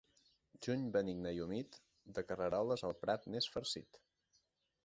Juny benigne i humit, de carreroles el prat n'és farcit.